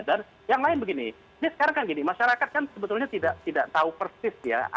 dan yang lain begini ini sekarang kan gini masyarakat kan sebetulnya tidak tahu persis ya